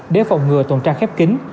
để phòng ngừa tồn tra khép kính